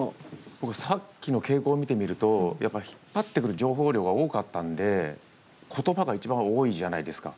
僕、さっきの傾向を見てみるとやっぱ、引っ張ってくる情報量が多かったんで言葉が一番多いじゃないですか。